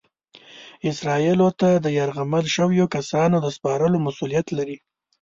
اسرائیلو ته د یرغمل شویو کسانو د سپارلو مسؤلیت لري.